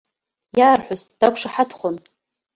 Иаарҳәоз дақәшаҳаҭхон.